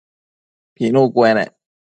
Pinu cuenec